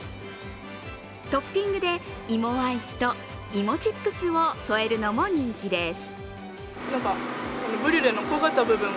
トッピングで、芋アイスと芋チップスを添えるのも人気です。